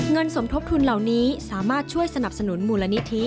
สมทบทุนเหล่านี้สามารถช่วยสนับสนุนมูลนิธิ